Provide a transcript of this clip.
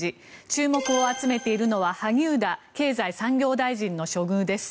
注目を集めているのは萩生田経済産業大臣の処遇です。